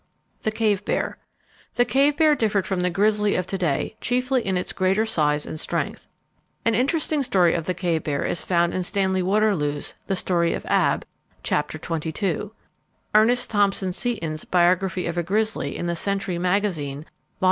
The Cave Bear. The cave bear differed from the grizzly of to day chiefly in its greater size and strength. An interesting story of the cave bear is found in Stanley Waterloo's The Story of Ab, Chapter XXII. Ernest Thompson Seton's "Biography of a Grizzly," in The Century Magazine, Vol.